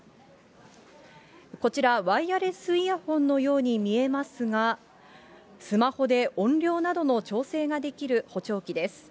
こちら、ワイヤレスイヤホンのように見えますが、スマホで音量などの調整ができる補聴器です。